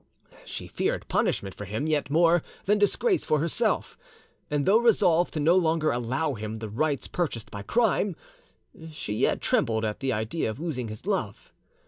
She feared punishment for him yet more than disgrace for herself, and though resolved to no longer allow him the rights purchased by crime, she yet trembled at the idea of losing his love.